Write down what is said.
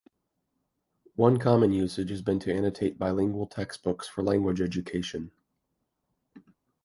One common usage has been to annotate bilingual textbooks for language education.